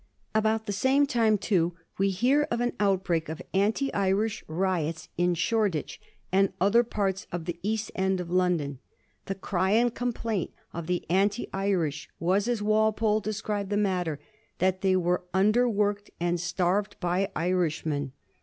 About the same time, too, we hear of an outbreak of anti Irish riots in Shoreditch and other parts of the east end of London. The " cry and complaint " of the anti Irish was, as Wal pole described the matter, that they were underworked and starved by Irishmen.